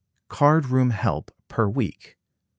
Card room help, per week $3.